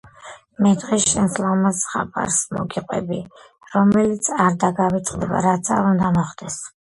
მე დღეს შენ ლამაზ ზღაპარს მოგიყვრბი რომელიც არ დაგავიწყდება რაც არ უნდა მოხდეს